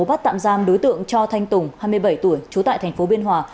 bắt tạm giam đối tượng cho thanh tùng hai mươi bảy tuổi trú tại thành phố biên hòa